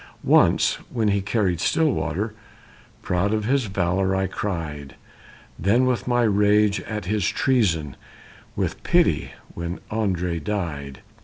Once, when he carried Stillwater, proud of his valor, I cried; Then, with my rage at his treason with pity when André died.